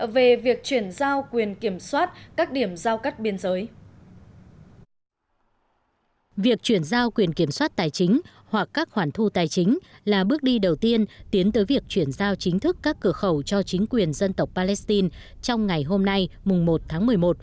việc chuyển giao quyền kiểm soát tài chính hoặc các khoản thu tài chính là bước đi đầu tiên tiến tới việc chuyển giao chính thức các cửa khẩu cho chính quyền dân tộc palestine trong ngày hôm nay mùng một tháng một mươi một